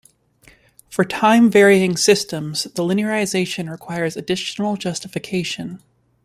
For time-varying systems, the linearization requires additional justification.